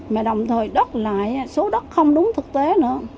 mà đồng thời đất lại số đất không đúng thực tế nữa